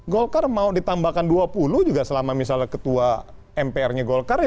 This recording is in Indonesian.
golkar mau ditambahkan dua puluh juga selama misalnya ketua mpr nya golkar ya